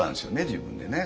自分でね。